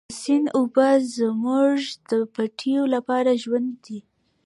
د سیند اوبه زموږ د پټیو لپاره ژوند دی.